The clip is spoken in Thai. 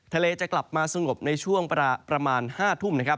ทะเลจะกลับมาสงบในช่วงประมาณ๕ทุ่มนะครับ